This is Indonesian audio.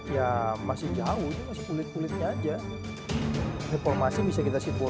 ya masih jauh ini masih kulit kulitnya aja reformasi bisa kita simpulkan